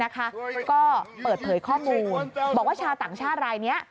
ก็เปิดเผยข้อมูลบอกว่าชาวต่างชาติรายนี้